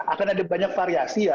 akan ada banyak variasi ya